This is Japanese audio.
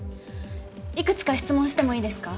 いくつか質問してもいいですか？